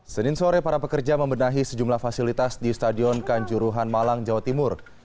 senin sore para pekerja membenahi sejumlah fasilitas di stadion kanjuruhan malang jawa timur